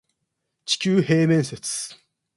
地球平面説